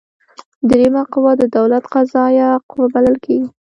دریمه قوه د دولت قضاییه قوه بلل کیږي.